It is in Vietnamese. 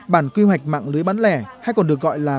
bản quy hoạch mạng lưới bán lẻ hay còn được gọi là